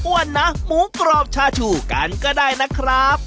วันน้ำหมูกรอบชาชุกันก็ได้นะครับ